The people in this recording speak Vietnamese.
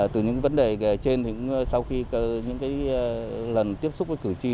từ những vấn đề trên sau khi những lần tiếp xúc với cử tri